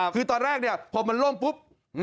คือตอนแรกพอมันล้มปุ๊บ